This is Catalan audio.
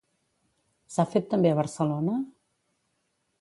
S'ha fet també a Barcelona?